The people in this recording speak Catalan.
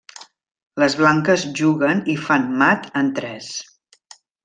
Les blanques juguen i fan mat en tres.